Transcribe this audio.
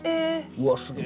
うわすげえ！